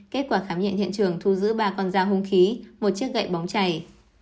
kết quả khám nhận hiện trường thu giữ ba con dao hung khí một chiếc gậy bóng chày